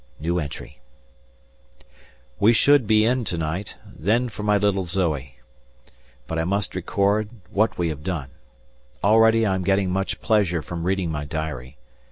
We should be in to night, then for my little Zoe! But I must record what we have done. Already I am getting much pleasure from reading my diary.